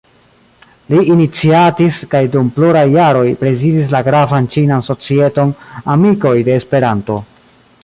Li iniciatis kaj dum pluraj jaroj prezidis la gravan ĉinan societon "Amikoj de Esperanto".